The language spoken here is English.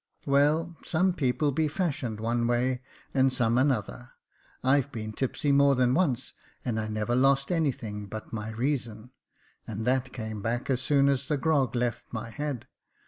" Well, some people be fashioned one way and some another. I've been tipsy more than once, and I never lost anything but my reason, and that came back as soon as the grog left my head.